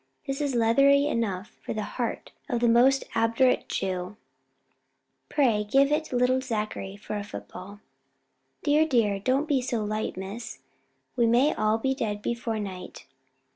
"This is leathery enough for the heart of the most obdurate Jew. Pray give it little Zachary for a football." "Dear, dear, don't you be so light, miss. We may all be dead before night."